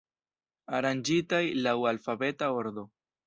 Aranĝitaj laŭ alfabeta ordo.